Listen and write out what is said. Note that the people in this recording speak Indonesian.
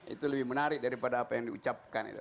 itu lebih menarik daripada apa yang diucapkan itu